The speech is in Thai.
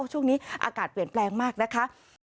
ช่วงนี้อากาศเปลี่ยนแปลงมากนะคะ